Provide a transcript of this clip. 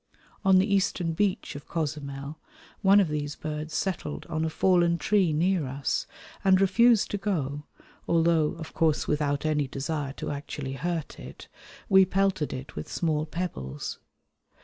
On the eastern beach of Cozumel one of these birds settled on a fallen tree near us, and refused to go although, of course without any desire to actually hurt it, we pelted it with small pebbles.